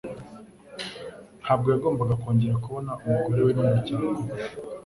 Ntabwo yagombaga kongera kubona umugore we n'umuryango we.